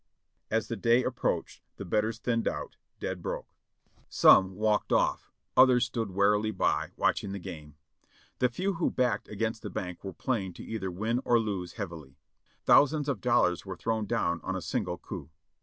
As the day approached the betters thinned out, dead broke. Some walked off, others stood wearily by, watching the game. The few who backed against the bank were playing to either win or lose heavily. Thousands of dollars were thrown down on a single coup.